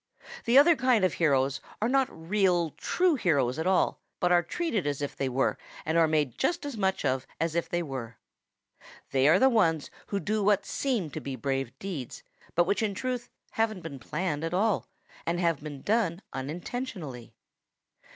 The other kind of heroes are not real, true heroes at all, but are treated as if they were and are made just as much of as if they were. They are the ones who do what seem to be brave deeds, but which in truth haven't been planned at all and have been done unintentionally.